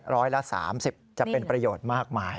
ร้อยละ๓๐จะเป็นประโยชน์มากมาย